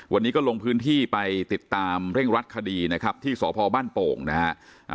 วันนี้ก็ลงพื้นที่ไปติดตามเร่งรัดคดีนะครับที่สพบ้านโป่งนะฮะ